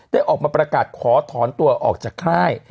ได้ออกมาประกาศขอถอนตัวออกจากค่าย